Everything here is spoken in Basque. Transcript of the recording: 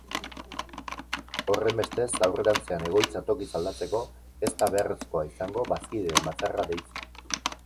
Horrenbestez, aurrerantzean egoitza tokiz aldatzeko ez da beharrezkoa izango bazkideen batzarra deitzea.